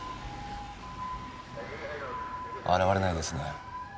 現れないですね。